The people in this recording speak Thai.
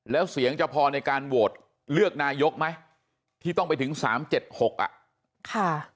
แล้วเสียงจะพอในการโหวตเลือกนายกไหมที่ต้องไปถึง๓๗๖อะ